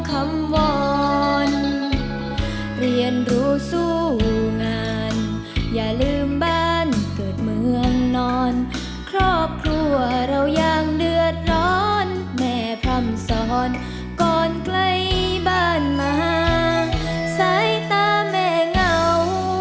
สายตาแม่เหงา